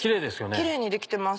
キレイに出来てます。